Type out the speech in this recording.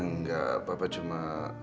nggak bapak cuma